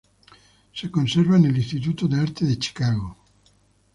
Se conserva en el Instituto de Arte de Chicago.